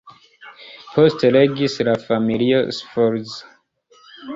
Poste regis la familio Sforza.